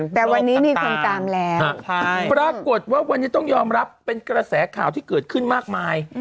แต่วันนี้มีคนตามแล้วปรากฏว่าวันนี้ต้องยอมรับเป็นกระแสข่าวที่เกิดขึ้นมากมาย